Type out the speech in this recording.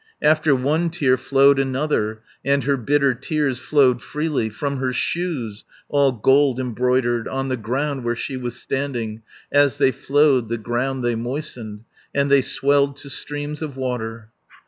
After one tear flowed another, And her bitter tears flowed freely From her shoes, all gold embroidered, On the ground where she was standing. 470 As they flowed, the ground they moistened. And they swelled to streams of water.